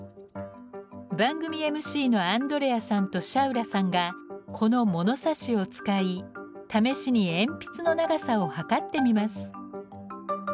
番組ＭＣのアンドレアさんとシャウラさんがこの物差しを使い試しに鉛筆の長さを測ってみます。